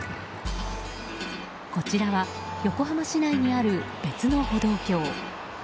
こちらは、横浜市内にある別の歩道橋。